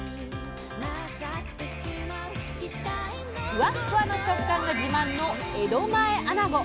ふわっふわの食感が自慢の江戸前あなご！